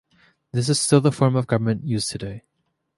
This is still the form of government used today.